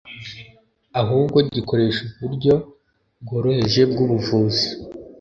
ahubwo gikoresha uburyo bworoheje bwubuvuzi